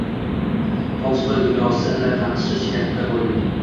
Tolstoy dunyosi ila tanishish katta boylik.